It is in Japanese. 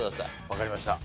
わかりました。